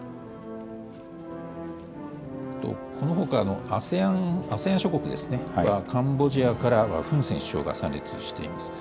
このほかのＡＳＥＡＮ諸国ですね、カンボジアからはフン・セン首相が参列しています。